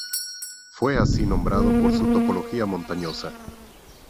Fue así nombrado por su topología montañosa.